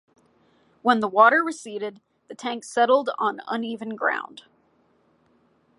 When the water receded, the tank settled on uneven ground.